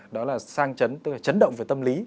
đang trấn tức là trấn động về tâm lý